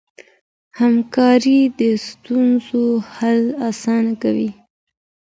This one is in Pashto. همکاري د ستونزو حل اسانه کوي.